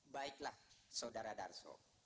baiklah saudara darso